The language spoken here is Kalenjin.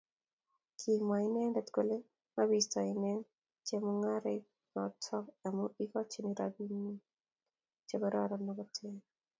kimwa inrndet kole mabisto inen chemung'arainivhoto amun ikochini robwoniek chekororon ako teer